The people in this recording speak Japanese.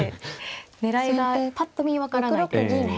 狙いがぱっと見分からない手ですね。